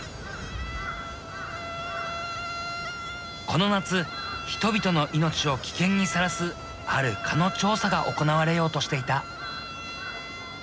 この夏人々の命を危険にさらすある蚊の調査が行われようとしていた。